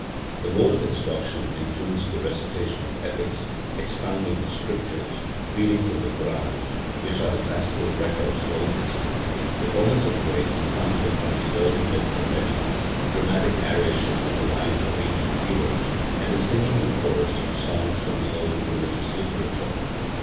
The mode of instruction includes the recitation of epics, expounding of the scriptures, reading from the Puranas, which are the classical records of old history, performance of plays founded upon the early myths and legends, dramatic narration of the lives of ancient heroes, and the singing in chorus of songs from the old religious literature.